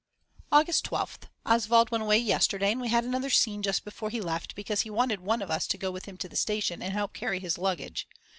August 12th. Oswald went away yesterday and we had another scene just before he left because he wanted one of us to go with him to the station and help carry his luggage.